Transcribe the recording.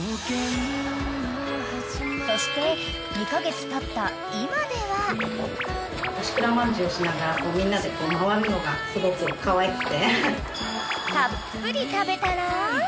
［そして２カ月たった今では］押しくらまんじゅうしながらみんなで回るのがすごくかわいくて。